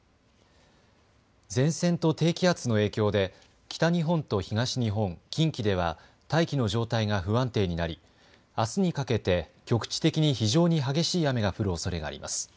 前線と低気圧の影響で北日本と東日本、近畿では大気の状態が不安定になりあすにかけて局地的に非常に激しい雨が降るおそれがあります。